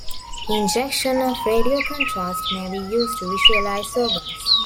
Injection of radiocontrast may be used to visualize organs.